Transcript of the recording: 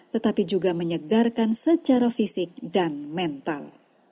tetapi juga menyegarkan secara fisik dan mental